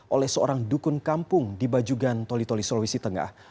oleh seorang dukun kampung di bajugan tolitoli sulawesi tengah